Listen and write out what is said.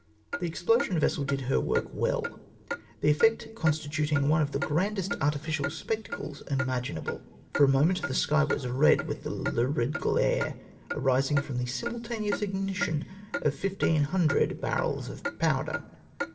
The explosion vessel did her work well, the effect constituting one of the grandest artificial spectacles imaginable. For a moment, the sky was red with the lui'id glare arising from the simultaneous ignition of 1500 barrels of powder.